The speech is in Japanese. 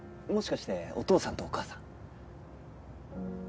もしかしてお父さんとお母さん？